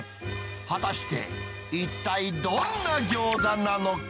果たして、一体どんな餃子なのか。